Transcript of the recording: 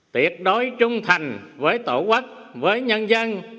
tuyệt đối trung thành với tổ quốc với nhân dân